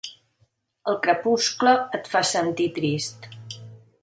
El crepuscle et fa sentir trist.